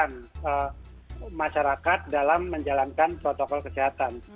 yang kedua adalah kepatuhan masyarakat dalam menjalankan protokol kesehatan